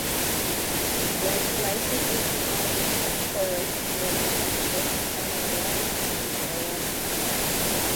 Glycolysis is the foundation for respiration, both anaerobic and aerobic.